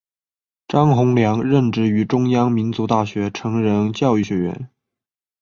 张宏良任职于中央民族大学成人教育学院。